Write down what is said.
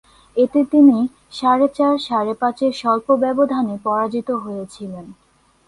এতে তিনি সাড়ে চার-সাড়ে পাঁচের স্বল্প ব্যবধানে পরাজিত হয়েছিলেন।